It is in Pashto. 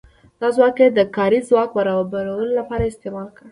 دا ځواک یې د کاري ځواک برابرولو لپاره استعمال کړ.